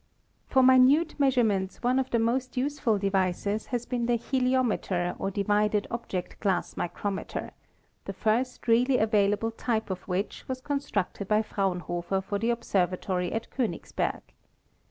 For minute measurements one of the most useful devices has been the heliometer or divided object glass micrometer, the first really available type of which was constructed by Fraunhofer for the observatory at Konigsberg.